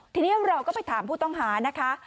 ทีนี้เราก็ไปถามผู้ต้องหานะคะ